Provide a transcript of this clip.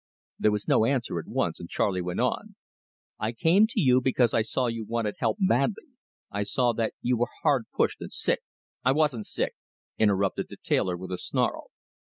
There was no answer at once, and Charley went on: "I came to you because I saw you wanted help badly. I saw that you were hard pushed and sick " "I wasn't sick," interrupted the tailor with a snarl.